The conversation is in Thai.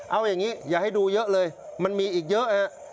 เอาอย่างนี้อย่าให้ดูเยอะเลยมันมีอีกเยอะฮะ